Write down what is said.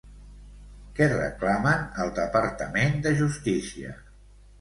Què reclamen al Departament de Justícia?